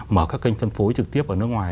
mở các kênh phân phối trực tiếp ở nước ngoài